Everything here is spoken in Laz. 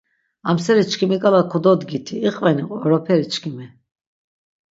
Amseri çkimi k̆ala kododgiti, iqveni oroperi çkimi?